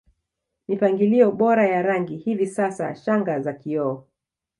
mipangilio bora ya rangi Hivi sasa shanga za kioo